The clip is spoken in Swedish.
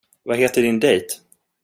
Vad heter din dejt?